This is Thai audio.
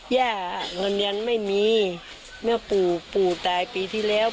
ย่าเงินเรียนไม่มีเมื่อปู่ปู่ตายปีที่แล้ว